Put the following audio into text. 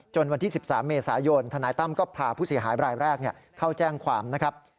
วันที่๑๓เมษายนทนายตั้มก็พาผู้เสียหายบรายแรกเข้าแจ้งความนะครับ